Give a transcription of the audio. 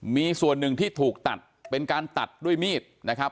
มีส่วนหนึ่งที่ถูกตัดเป็นการตัดด้วยมีดนะครับ